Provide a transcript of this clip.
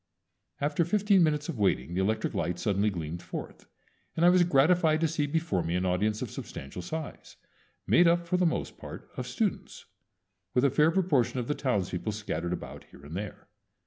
After fifteen minutes of waiting the electric lights suddenly gleamed forth, and I was gratified to see before me an audience of substantial size, made up for the most part of students, with a fair proportion of the townspeople scattered about here and there.